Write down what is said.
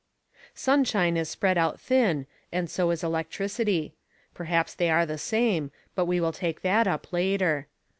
"Sunshine is spread out thin and so is electricity. Perhaps they are the same, but we will take that up later.